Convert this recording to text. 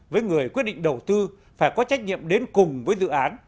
với người quyết định đầu tư phải có trách nhiệm đến cùng với dự án